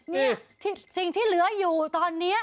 นี่สิ่งที่เหลืออยู่ตอนนี้